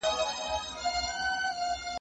زه به سبا کتابتون ته ولاړ سم؟!